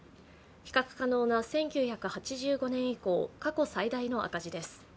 比較可能な１９８５年以降過去最大の赤字です。